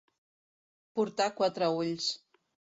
Portar quatre ulls.